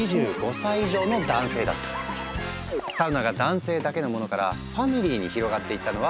サウナが男性だけのものからファミリーに広がっていったのは１９９０年ごろ。